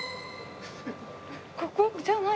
ここじゃない。